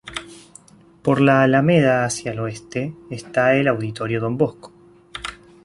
Por la Alameda hacia el oeste, está el Auditorio Don Bosco.